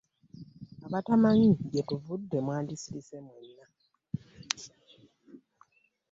Abatamanyi gye tuvudde mwandisirise mwenna.